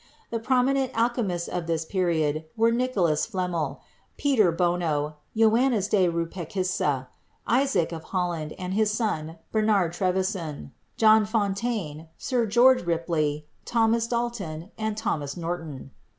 The prominent alchemists of this period were Nicholas Flamel, Peter Bono, Johannes de Rupecissa, Isaac of Holland and his son, Bernard Trevi san, John Fontaine, Sir George Ripley, Thomas Dalton and Thomas Norton.